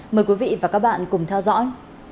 mời quý vị và các bạn cùng theo dõi